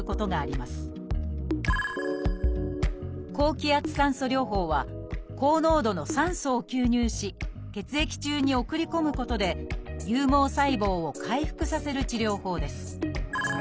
高気圧酸素療法は高濃度の酸素を吸入し血液中に送り込むことで有毛細胞を回復させる治療法です。